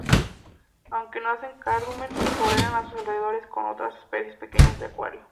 Aunque no hacen cardumen, toleran a su alrededor con otras especies pequeñas de acuario.